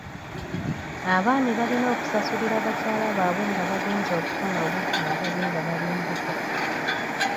Abaami balina okusasulira bakyala baabwe nga bagenze okufuna obujjanjabi nga bali mbuto.